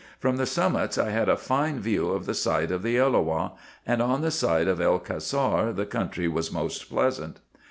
From the summits I had a fine view of the site of the Elloah, and on the side of El Cassar the country was most pleasant.